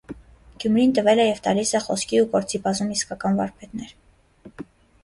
Գյումրին տվել է և տալիս է խոսքի ու գործի բազում իսկական վարպետներ։